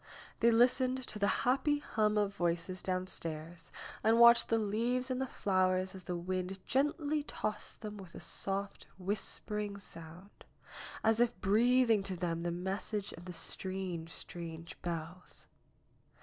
They listened to the happy hum of voices downstairs and watched the leaves and the flowers as the wind gently tossed them with a soft, whispering sound, as if breathing to them the message of the strange, strange bells.